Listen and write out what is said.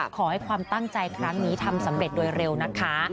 ขอให้ความตั้งใจครั้งนี้ทำสำเร็จโดยเร็วนะคะ